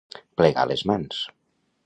Plegar les mans.